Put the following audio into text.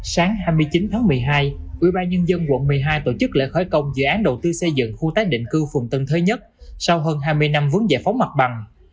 sáng hai mươi chín tháng một mươi hai ubnd quận một mươi hai tổ chức lễ khởi công dự án đầu tư xây dựng khu tái định cư phường tân thới nhất sau hơn hai mươi năm vướng giải phóng mặt bằng